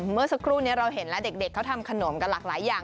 เมื่อสักครู่นี้เราเห็นแล้วเด็กเขาทำขนมกันหลากหลายอย่าง